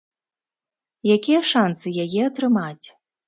Якія шанцы яе атрымаць?